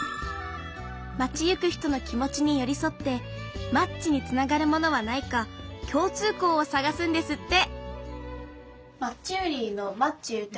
町行く人の気持ちに寄り添ってマッチにつながるものはないか共通項を探すんですって